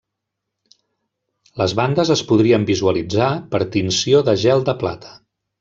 Les bandes es podrien visualitzar per tinció de gel de plata.